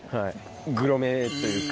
グロめというか。